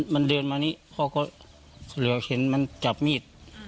มันเดินมานี่เขาก็เห็นมันจับมีด